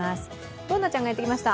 Ｂｏｏｎａちゃんがやってきました。